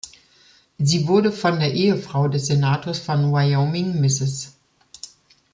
Sie wurde von der Ehefrau des Senators von Wyoming, Mrs.